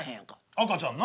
赤ちゃんな。